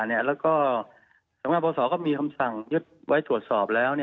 แล้วก็สำนักงานพศก็มีคำสั่งยึดไว้ตรวจสอบแล้ว